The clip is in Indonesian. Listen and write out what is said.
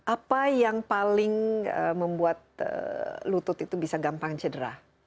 apa yang paling membuat lutut itu bisa gampang cedera